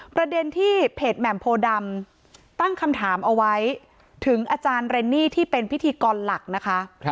ประเด็นที่เพจแหม่มโพดำตั้งคำถามเอาไว้ถึงอาจารย์เรนนี่ที่เป็นพิธีกรหลักนะคะ